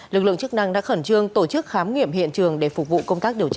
lực lượng chức năng đã khẩn trương tổ chức khám nghiệm hiện trường để phục vụ công tác điều tra